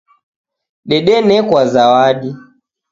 Dedenekwa zawadi.